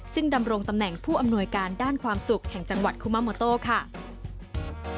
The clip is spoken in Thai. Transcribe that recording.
ซึ่งดำรงตำแหน่งผู้อำนวยการด้านความสุขแห่งจังหวัดคุมาโมโต้ค่ะ